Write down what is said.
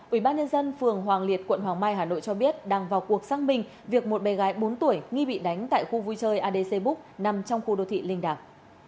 ủy ban nhân dân phường hoàng liệt quận hoàng mai hà nội cho biết đang vào cuộc xác minh việc một bé gái bốn tuổi nghi bị đánh tại khu vui chơi adc book nằm trong khu đô thị linh đảng